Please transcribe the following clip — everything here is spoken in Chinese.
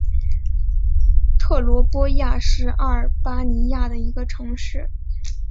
特罗波亚是阿尔巴尼亚的一个城市。